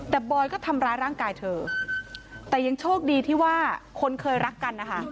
แต่บอยก็ทำร้ายร่างกายเธอแต่ยังโชคดีที่ว่าคนเคยรักกันนะคะ